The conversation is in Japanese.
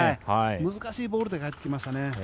難しいボールで返ってきましたね。